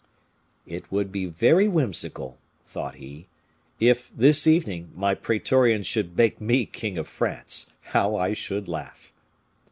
"It would be very whimsical," thought he, "if, this evening, my praetorians should make me king of France. How I should laugh!"